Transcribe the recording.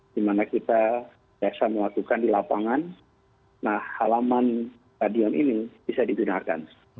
di mana kita biasa melakukan di lapangan nah halaman stadion ini bisa digunakan